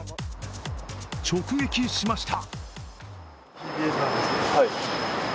直撃しました。